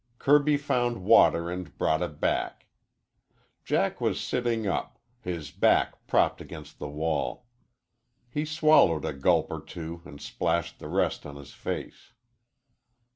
Kirby found water and brought it back. Jack was sitting up, his back propped against the wall. He swallowed a gulp or two and splashed the rest on his face.